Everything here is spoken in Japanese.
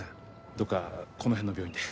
どこかこの辺の病院で